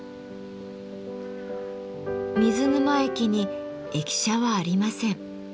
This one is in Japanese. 水沼駅に駅舎はありません。